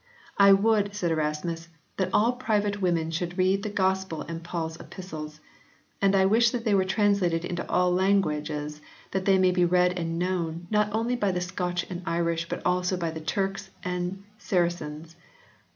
" I would," said Erasmus, " that all private women should read the Gospel and Paul s Epistles. And I wish that they were translated into all languages that they may be read and known, not only by the Scotch and Irish, but also by the Turks and Saracens.